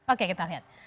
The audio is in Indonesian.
oke kita lihat